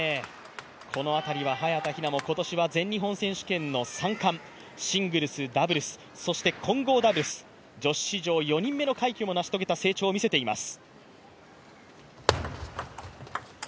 この辺りは早田ひなも今年は全日本選手権の３冠、シングルス、ダブルスそして混合ダブルス女子史上４人目の快挙を見せています。